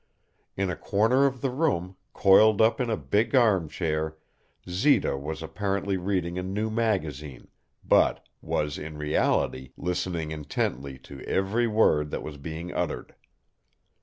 In a corner of the room, coiled up in a big armchair, Zita was apparently reading a new magazine, but was, in reality, listening intently to every word that was being uttered.